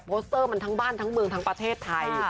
สเตอร์มันทั้งบ้านทั้งเมืองทั้งประเทศไทย